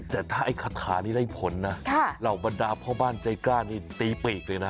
แต่ถ้าไอ้คาถานี้ได้ผลนะเหล่าบรรดาพ่อบ้านใจกล้านี่ตีปีกเลยนะ